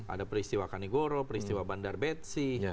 ada peristiwa kanigoro peristiwa bandar betsi